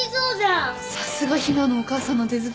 さすが陽菜のお母さんの手作り。